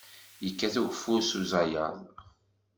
Yekkat ugeffur s uzayaḍ.